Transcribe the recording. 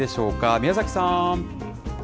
宮崎さん。